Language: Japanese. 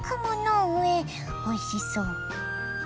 おいしそう。